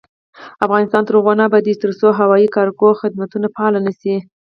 افغانستان تر هغو نه ابادیږي، ترڅو هوایي کارګو خدمتونه فعال نشي.